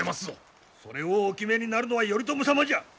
それをお決めになるのは頼朝様じゃ！